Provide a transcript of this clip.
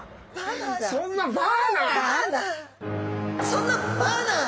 「そんなバーナー」？